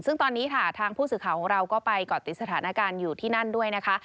ซึ่งตอนนี้ค่ะทางผู้สื่อข่าวของเราก็ไปเกาะติดสถานการณ์อยู่ที่นั่นด้วยนะคะ